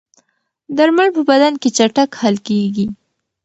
درمل په بدن کې چټک حل کېږي.